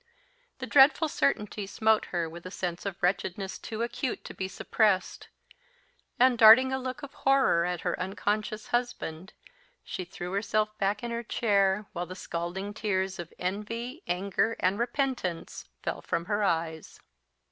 The dreadful certainty smote her with a sense of wretchedness too acute to be suppressed; and, darting a look of horror at her unconscious husband, she threw herself back in her chair, while the scalding tears of envy, anger, and repentance fell from her eyes.